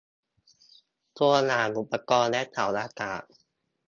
ตัวอย่างอุปกรณ์และเสาอากาศ